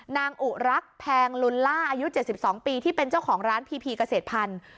นางอุรักแพงลุล่าอายุเจ็ดสิบสองปีที่เป็นเจ้าของร้านพีพีเกษตรพันธุ์